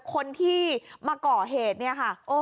คนที่มาก่อเหตุเนี่ยค่ะ